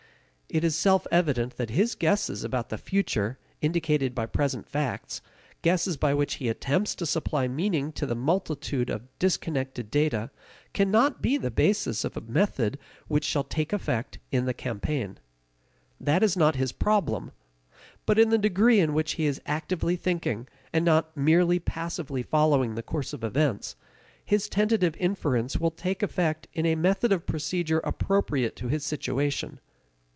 It is self evident that his guesses about the future indicated by present facts, guesses by which he attempts to supply meaning to a multitude of disconnected data, cannot be the basis of a method which shall take effect in the campaign. That is not his problem. But in the degree in which he is actively thinking, and not merely passively following the course of events, his tentative inferences will take effect in a method of procedure appropriate to his situation.